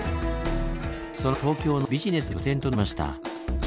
その後東京のビジネスの拠点となりました。